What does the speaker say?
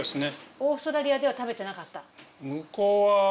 オーストラリアでは食べてなかった？